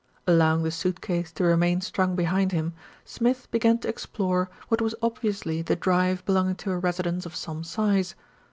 Allowing the suit case to remain strung behind him, Smith began to explore what was obviously the drive belonging to a residence of some size.